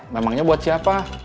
memangnya buat siapa